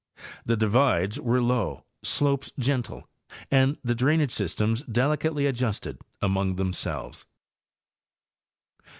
The divides were low, slopes gentle, and' the drainage systems delicately adjusted among themselves.